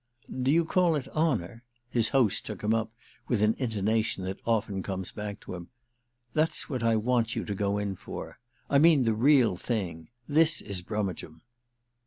"Do you call it honour?"—his host took him up with an intonation that often comes back to him. "That's what I want you to go in for. I mean the real thing. This is brummagem."